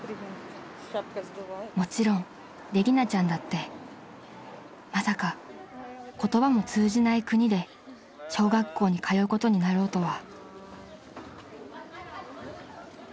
［もちろんレギナちゃんだってまさか言葉も通じない国で小学校に通うことになろうとは］